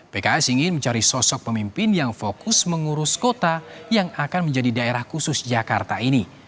pks ingin mencari sosok pemimpin yang fokus mengurus kota yang akan menjadi daerah khusus jakarta ini